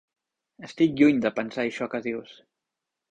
Estic lluny de pensar això que dius.